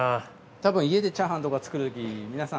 たぶん家でチャーハンとか作るとき皆さん